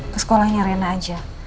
ke sekolahnya reina aja